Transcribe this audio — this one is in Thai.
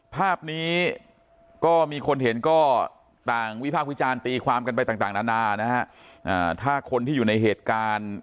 ภาพนี้ก็มีคนเห็นก็ต่างวิพากษ์วิจารณ์ตีความกันไปต่างนานานะฮะถ้าคนที่อยู่ในเหตุการณ์